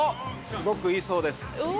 すごくいいそうです。